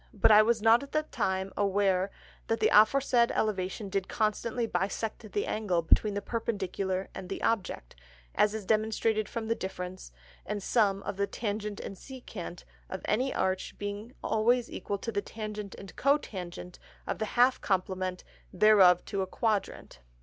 But I was not at that time aware that the aforesaid Elevation did constantly bisect the Angle between the Perpendicular and the Object, as is demonstrated from the Difference and Sum of the Tangent and Secant of any Arch being always equal to the Tangent and Cotangent of the half Complement thereof to a Quadrant.